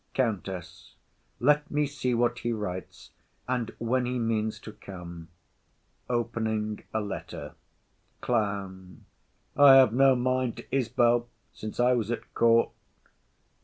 COUNTESS. Let me see what he writes, and when he means to come. [Opening a letter.] CLOWN. I have no mind to Isbel since I was at court.